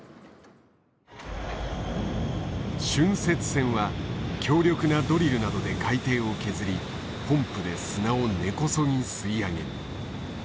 浚渫船は強力なドリルなどで海底を削りポンプで砂を根こそぎ吸い上げる。